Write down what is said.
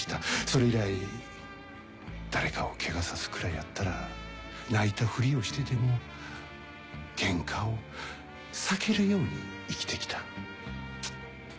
それ以来誰かをケガさすくらいやったら泣いたふりをしてでもケンカを避けるように生きて来た。